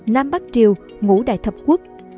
nam bắc triều ngũ đại thập quốc